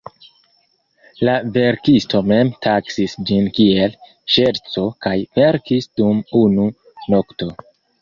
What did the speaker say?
La verkisto mem taksis ĝin kiel "ŝerco" kaj verkis dum unu nokto.